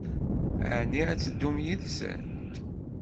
Ɛni ad teddum yid-sen?